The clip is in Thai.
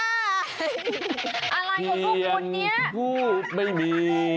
อะไรกับลูกคุณเนี่ยเทียนทูบไม่มี